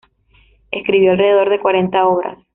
Escribió alrededor de cuarenta obras.